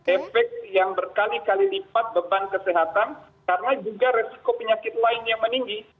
efek yang berkali kali lipat beban kesehatan karena juga risiko penyakit lainnya meninggi